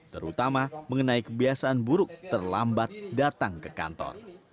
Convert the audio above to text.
terutama mengenai kebiasaan buruk terlambat datang ke kantor